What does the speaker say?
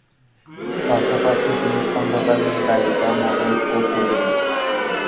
পাশাপাশি তিনি খণ্ডকালীন গায়িকা, মডেল ও প্রযোজক।